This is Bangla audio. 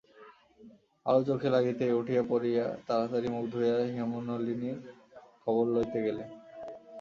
আলো চোখে লাগিতেই উঠিয়া পড়িয়া তাড়াতাড়ি মুখ ধুইয়া হেমনলিনীর খবর লইতে গেলেন।